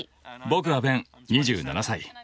僕はベン２７歳。